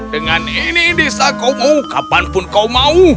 dengan ini desa kau mau kapanpun kau mau